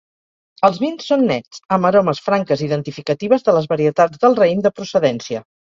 Els vins són nets, amb aromes franques identificatives de les varietats del raïm de procedència.